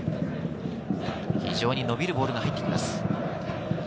非常に伸びるボールが入ってきます。